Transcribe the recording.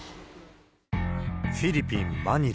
フィリピン・マニラ。